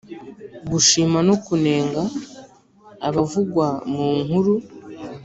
-gushima no kunenga abavugwa mu nkuru;